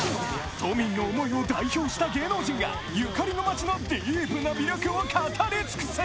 都民の思いを代表した芸能人がゆかりの街のディープな魅力を語り尽くす！